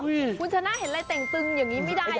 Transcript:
คุณชนะเห็นอะไรเต่งตึงอย่างนี้ไม่ได้